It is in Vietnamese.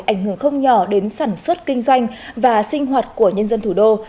ảnh hưởng không nhỏ đến sản xuất kinh doanh và sinh hoạt của nhân dân thủ đô